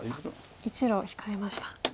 １路控えました。